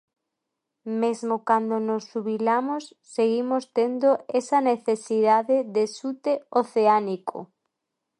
Mesmo cando nos xubilamos seguimos tendo esa necesidade de xute oceánico.